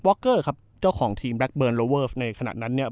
บรอคเกอร์ครับก็ของทีมแบล็กเบิร์้นในขณะนั้นเนี้ย